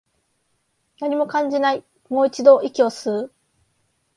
何も感じない、もう一度、息を吸う